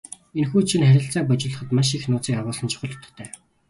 Энэхүү жишээ нь харилцааг баяжуулахад маш их нууцыг агуулсан чухал утгатай.